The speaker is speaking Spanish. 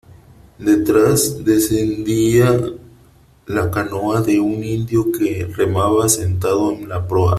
detrás , descendía la canoa de un indio que remaba sentado en la proa .